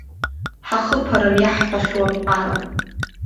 Ҳахыԥарым иаҳҳәахьоу аԥҟара.